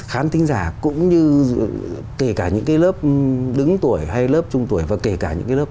khán tính giả cũng như kể cả những cái lớp đứng tuổi hay lớp trung tuổi và kể cả những cái lớp